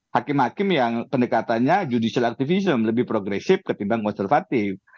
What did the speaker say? hakim hakim yang pendekatannya judicial activism lebih progresif ketimbang konservatif